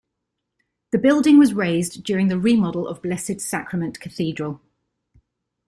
The building was raised during the remodel of Blessed Sacrament Cathedral.